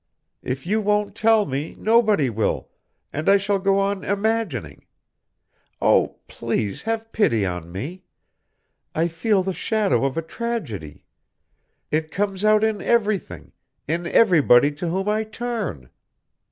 If you won't tell me, nobody will, and I shall go on imagining Oh, please have pity on me! I feel the shadow of a tragedy. It comes out in everything, in everybody to whom I turn.